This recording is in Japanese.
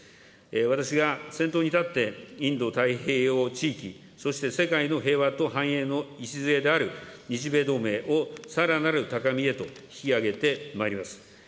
私が先頭に立って、インド太平洋地域、そして世界の平和と繁栄の礎である日米同盟をさらなる高みへと引き上げてまいります。